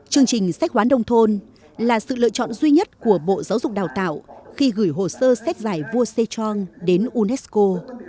chương trình sách hoán đông thôn là sự lựa chọn duy nhất của bộ giáo dục đào tạo khi gửi hồ sơ sách giải vua sê trong đến unesco